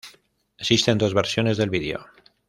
Existen dos versiones del vídeo.